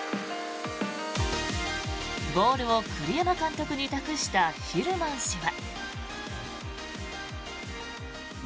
ボールを栗山監督に託したヒルマン氏は。